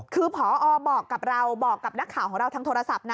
คือครอบอกกับเราบอกกับนักข่าวทางโทรศัพท์